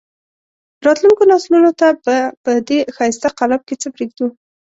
راتلونکو نسلونو ته به په دې ښایسته قالب کې څه پرېږدو.